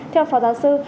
theo phó giáo sư